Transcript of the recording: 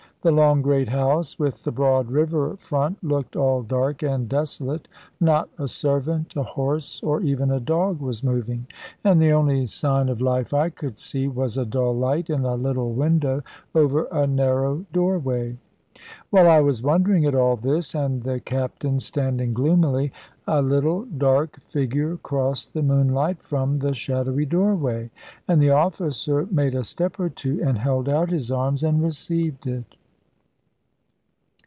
The long great house, with the broad river front, looked all dark and desolate; not a servant, a horse, or even a dog was moving, and the only sign of life I could see was a dull light in a little window over a narrow doorway. While I was wondering at all this, and the captain standing gloomily, a little dark figure crossed the moonlight from the shadowy doorway, and the officer made a step or two, and held out his arms and received it.